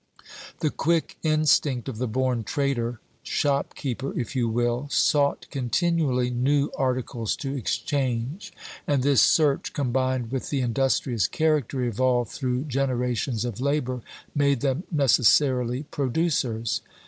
The quick instinct of the born trader, shopkeeper if you will, sought continually new articles to exchange; and this search, combined with the industrious character evolved through generations of labor, made them necessarily producers.